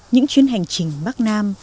những chuyến hành trình bắc nam